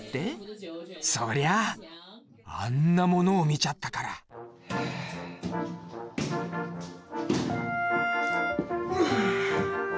そりゃああんなものを見ちゃったからはあ。